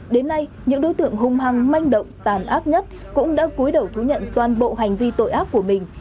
đến nay những đối tượng hung hăng manh động tàn ác nhất cũng đã cuối đầu thú nhận toàn bộ hành vi tội ác của mình